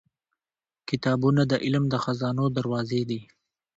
• کتابونه د علم د خزانو دروازې دي.